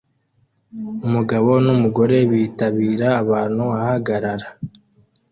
Umugabo numugore bitabira abantu ahagarara